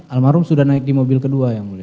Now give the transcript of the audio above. almarhum sudah naik di mobil kedua